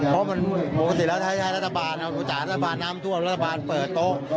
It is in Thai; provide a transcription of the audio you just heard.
เพราะมันปกติแล้วถ้าจะให้รัฐบาลเอาจ่ารัฐบาลน้ำท่วมรัฐบาลเปิดโต๊ะ